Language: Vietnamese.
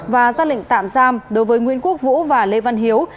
và ra lệnh tạm giam đối với nguyễn quốc vũ và lê văn hiếu